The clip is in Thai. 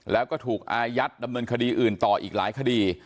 แล้วก็ถูกอายัดดำเนินคดีอื่นต่ออีกหลายคดี